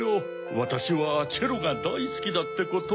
わたしはチェロがだいすきだってことを。